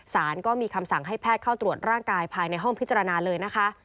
ก็มีคำสั่งให้แพทย์เข้าตรวจร่างกายภายในห้องพิจารณาเลยนะคะ